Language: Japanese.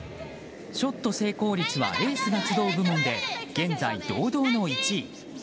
ショット成功率はエースが集う部門で現在堂々の１位。